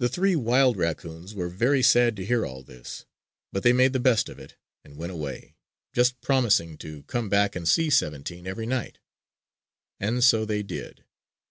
The three wild raccoons were very sad to hear all this; but they made the best of it, and went away, just promising to come back and see "Seventeen" every night. And so they did.